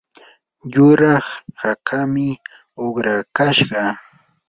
yuraq hakaami uqrakashqa.